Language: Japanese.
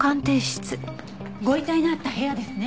ご遺体のあった部屋ですね？